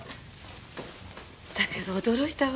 だけど驚いたわ。